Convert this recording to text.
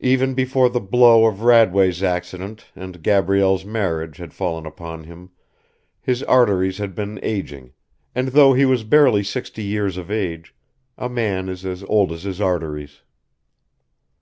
Even before the blow of Radway's accident and Gabrielle's marriage had fallen upon him his arteries had been ageing, and though he was barely sixty years of age a man is as old as his arteries.